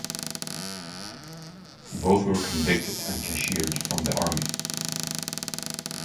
Both were convicted and cashiered from the army.